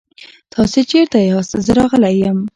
تاسې چيرته ياست؟ زه راغلی يم.